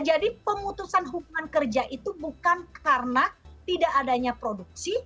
jadi pemutusan hubungan kerja itu bukan karena tidak adanya produksi